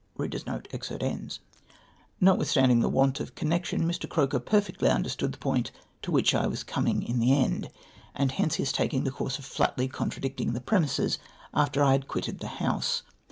JSTotwitlistaiiding the want of connection, Mr. Croker perfectly understood the point to which I was coming in the end, and hence liis taking the course of flatly contradicting the premises after I had quitted the House.